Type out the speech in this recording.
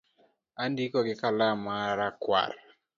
Andiko gi kalam ma rakwar